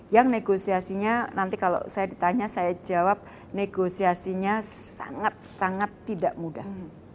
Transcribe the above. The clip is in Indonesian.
yang negosiasinya nanti kalau saya ditanya saya jawab negosiasinya sangat sangat tidak mudah